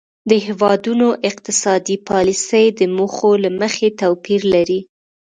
د هیوادونو اقتصادي پالیسۍ د موخو له مخې توپیر لري